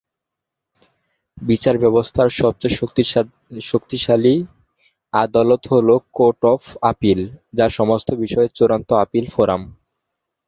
Lesotho বিচার ব্যবস্থার সবচেয়ে শক্তিশালী আদালত হ'ল কোর্ট অফ আপিল, যা সমস্ত বিষয়ে চূড়ান্ত আপিল ফোরাম।